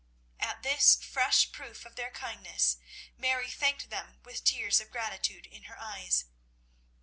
At this fresh proof of their kindness, Mary thanked them with tears of gratitude in her eyes.